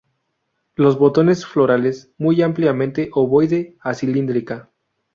Los botones florales muy ampliamente ovoide a cilíndrica.